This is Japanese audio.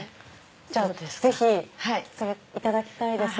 じゃあぜひいただきたいです。